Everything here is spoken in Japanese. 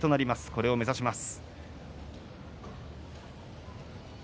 それを目指します。